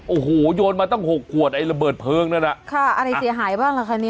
โอ้โหโยนมาตั้งหกขวดไอ้ระเบิดเพลิงนั่นอ่ะค่ะอะไรเสียหายบ้างล่ะคะเนี่ย